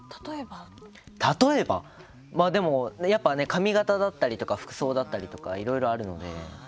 例えばやっぱり髪形だったりとか服装だったりとかいろいろあるので。